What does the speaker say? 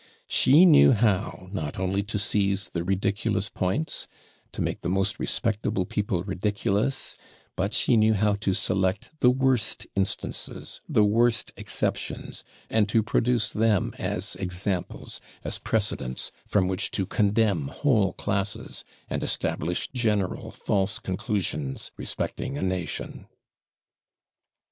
She knew how, not only to seize the ridiculous points, to make the most respectable people ridiculous, but she knew how to select the worst instances, the worst exceptions; and to produce them as examples, as precedents, from which to condemn whole classes, and establish general false conclusions respecting a nation.